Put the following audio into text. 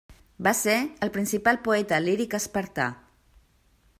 Va ser el principal poeta líric espartà.